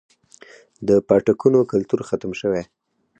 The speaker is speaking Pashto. د پاټکونو کلتور ختم شوی